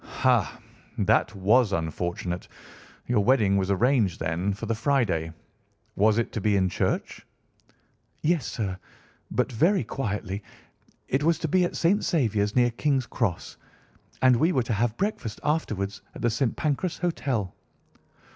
"Ha! that was unfortunate. Your wedding was arranged, then, for the Friday. Was it to be in church?" "Yes, sir, but very quietly. It was to be at St. Saviour's, near King's Cross, and we were to have breakfast afterwards at the St. Pancras Hotel.